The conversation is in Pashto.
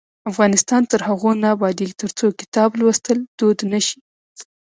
افغانستان تر هغو نه ابادیږي، ترڅو کتاب لوستل دود نشي.